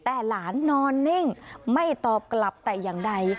แต่หลานนอนนิ่งไม่ตอบกลับแต่อย่างใด